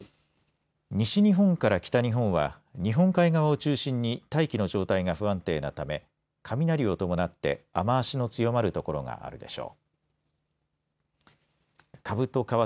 西日本から北日本は日本海側を中心に大気の状態が不安定なため雷を伴って雨足の強まる所があるでしょう。